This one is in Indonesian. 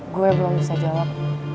gue belum bisa jawab